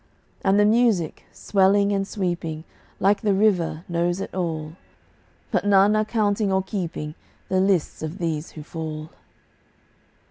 And the music, swelling and sweeping, Like the river, knows it all; But none are counting or keeping The lists of these who fall.